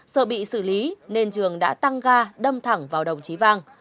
sợ bị xử lý nên trường đã tăng ga đâm thẳng vào đồng chí vang